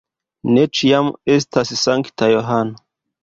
Ne ĉiam estas sankta Johano.